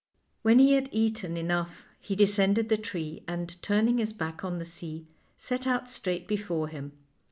When he had eaten enough he descended the tree, and, turning his back on the sea, set out straight before him.